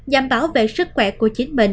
giảm bảo vệ sức khỏe của chính mình